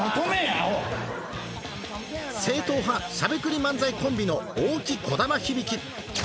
正統派しゃべくり漫才コンビの大木こだま